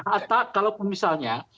atau kalau misalnya